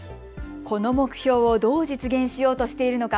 この目標をどう実現しようとしているのか。